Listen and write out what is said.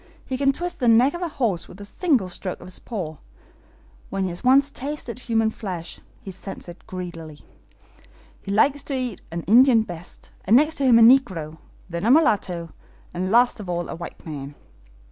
He can twist the neck of a horse with a single stroke of his paw. When he has once tasted human flesh he scents it greedily. He likes to eat an Indian best, and next to him a negro, then a mulatto, and last of all a white man."